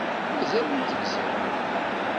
Mazal ur tegziḍ ara.